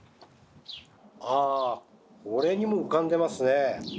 あこれにも浮かんでますね。